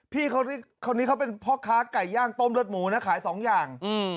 พี่เขานี่เขาเป็นพ่อค้าไก่ย่างต้มรถหมูน่ะขายสองอย่างอืม